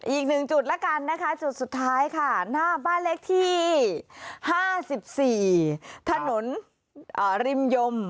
อีกหนึ่งจุดแล้วกันนะคะจุดสุดท้ายค่ะหน้าบ้านเลขที่๕๔ถนนริมยม